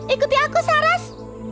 ikuti aku saras